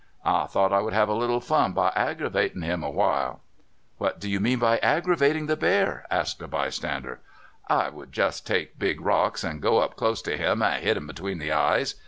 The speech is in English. I thought I w^ould have a little fun by aggravatin' him awhile." "What do you mean by aggravating the bear?" asked a bystander. "I would just take big rocks and go up close to him, and hit him between the eyes.